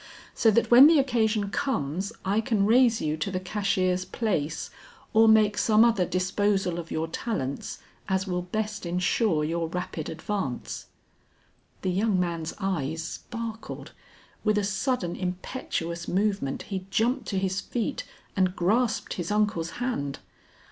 So that when the occasion comes, I can raise you to the cashier's place or make such other disposal of your talents as will best insure your rapid advance." The young man's eyes sparkled; with a sudden impetuous movement he jumped to his feet and grasped his uncle's hand.